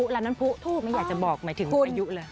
ร้านนั้นผู้ทูบไม่อยากจะบอกหมายถึงพายุเลย